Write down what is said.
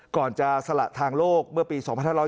ก่อนจะสละทางโลกเมื่อปี๒๕๕๙